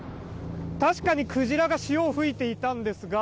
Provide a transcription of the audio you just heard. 確かにクジラが潮を吹いていたんですが。